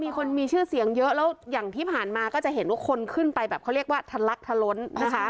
มีคนมีชื่อเสียงเยอะแล้วอย่างที่ผ่านมาก็จะเห็นว่าคนขึ้นไปแบบเขาเรียกว่าทะลักทะล้นนะคะ